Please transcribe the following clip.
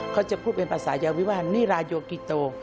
เขาจะพูดเป็นภาษายาววิวาสนิรายโยกิโต